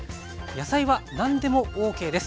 野菜は何でもＯＫです。